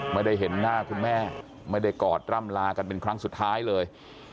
ไม่ได้เห็นหน้าคุณแม่ไม่ได้กอดร่ำลากันเป็นครั้งสุดท้ายเลย